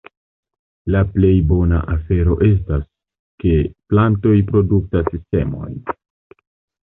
La plej bona afero estas, ke plantoj produktas semojn.